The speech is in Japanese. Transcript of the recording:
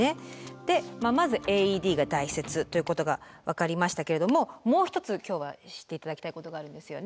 でまずＡＥＤが大切ということが分かりましたけれどももう一つ今日は知って頂きたいことがあるんですよね。